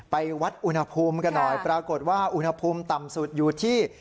ไปวัดอุณหภูมิกันหน่อยปรากฏว่าอุณหภูมิต่ำสุดอยู่ที่